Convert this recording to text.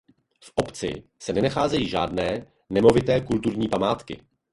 V obci se nenacházejí žádné nemovité kulturní památky.